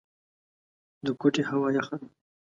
د کوټې هوا يخه ده.